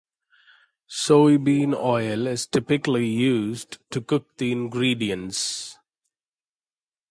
Soybean oil is typically used to cook the ingredients.